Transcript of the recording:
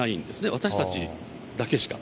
私たちだけしか。